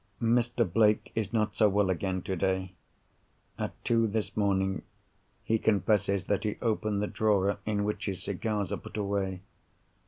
Mr. Blake is not so well again today. At two this morning, he confesses that he opened the drawer in which his cigars are put away.